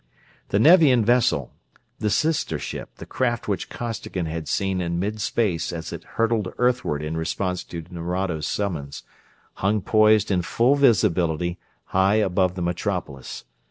The Nevian vessel the sister ship, the craft which Costigan had seen in mid space as it hurtled earthward in response to Nerado's summons hung poised in full visibility, high above the metropolis.